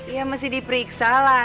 iya mesti diperiksa lah